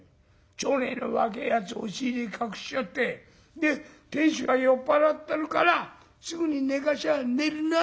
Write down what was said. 町内の若えやつを押し入れに隠しちゃってで亭主が酔っ払ってるからすぐに寝かしゃ寝るなあと思うだろ。